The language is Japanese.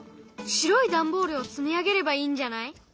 白い段ボールを積み上げればいいんじゃない？